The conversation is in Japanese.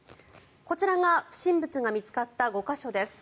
こちらが不審物が見つかった５か所です。